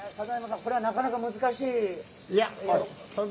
これはなかなか難しい。